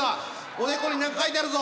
おでこに何か書いてあるぞ！